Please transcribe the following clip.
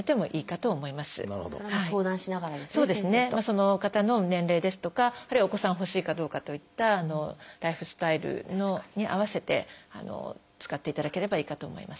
その方の年齢ですとかあるいはお子さん欲しいかどうかといったライフスタイルに合わせて使っていただければいいかと思います。